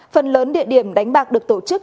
phần lớn địa điểm đánh bạc được tổ chức